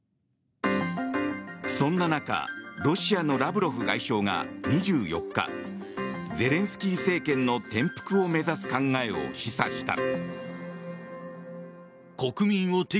そんな中ロシアのラブロフ外相が２４日ゼレンスキー政権の転覆を目指す考えを示唆した。